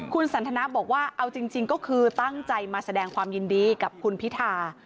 คุณสันทนาบอกว่าเอาจริงก็คือตั้งใจมาแสดงความยินดีกับคุณพิธา